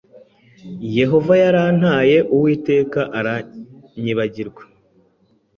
Yehova yarantaye, Uwiteka aranyibagiwe.’